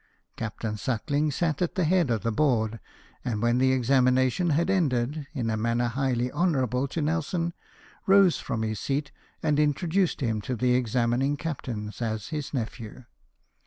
Captain Suckling sat at the head of the board, and when the examina tion had ended, in a manner highly honourable to Nelson, rose from his seat, and introduced him to the examining captains as his nephew.